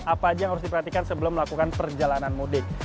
apa aja yang harus diperhatikan sebelum melakukan perjalanan mudik